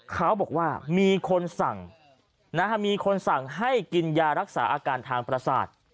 เขาบอกว่ามีคนสั่งมีคนสั่งให้กินยารักษาอาการทางประสาท